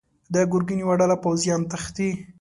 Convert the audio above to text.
د ګرګين يوه ډله پوځيان تښتي.